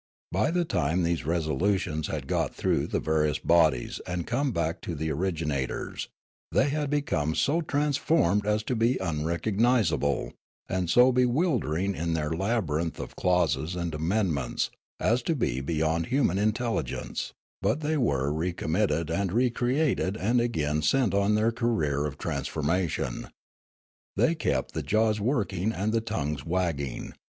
B}^ the time these reso lutions had got through the various bodies and come back to the originators, they had become so transformed as to be unrecognisable, and so bewild ering in their labyrinth of clauses and amendments as to be beyond human intelligence; but they were recommitted and recreated and again sent on their career of transformation. They kept the jaws work ing and the tongues wagging.